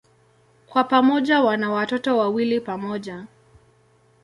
Kwa pamoja wana watoto wawili pamoja.